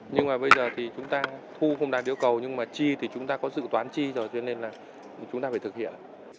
nhưng mà bây giờ thì chúng ta thu không đạt yêu cầu nhưng mà chi thì chúng ta có dự toán chi rồi cho nên là chúng ta phải thực hiện